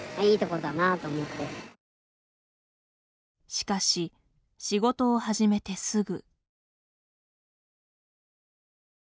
しかし、仕事を始めてすぐ。